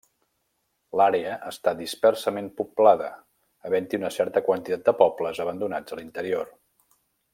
L'àrea està dispersament poblada, havent-hi una certa quantitat de pobles abandonats a l'interior.